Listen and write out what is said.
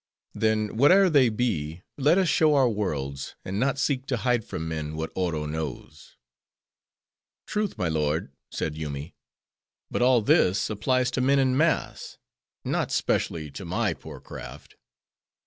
Then, whate'er they be, let us show our worlds; and not seek to hide from men, what Oro knows." "Truth, my lord," said Yoomy, "but all this applies to men in mass; not specially, to my poor craft.